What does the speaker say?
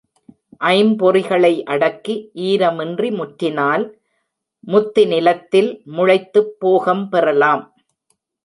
ஐம்பொறிகளை அடக்கி, ஈரமின்றி முற்றினால், முத்தி நிலத்தில் முளைத்துப் போகம் பெறலாம்.